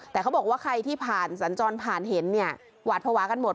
แต่เขาบอกว่าใครที่ผ่านสัญจรผ่านเห็นเนี่ยหวาดภาวะกันหมด